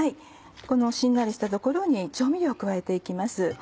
このしんなりしたところに調味料を加えていきます。